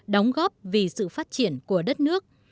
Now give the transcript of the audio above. đóng góp vì sự phát triển của đất nước